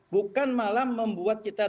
bukan malah membuat kita